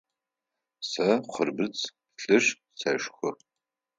Сэ хъырбыдз плъыжь сэшхы.